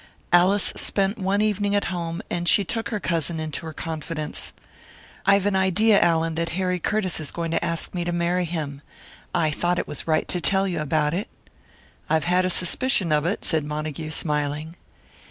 Alice spent one evening at home, and she took her cousin into her confidence. "I've an idea, Allan, that Harry Curtiss is going to ask me to marry him. I thought it was right to tell you about it." "I've had a suspicion of it," said Montague, smiling.